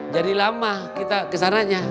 jadi lama kita kesananya